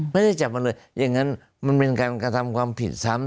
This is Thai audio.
ไม่ได้จับมันเลยอย่างนั้นมันเป็นการกระทำความผิดซ้ำ